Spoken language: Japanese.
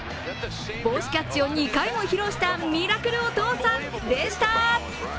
帽子キャッチを２回も披露したミラクルお父さんでした。